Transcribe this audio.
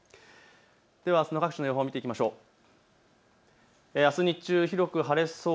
ではあすの各地の予報を見ていきましょう。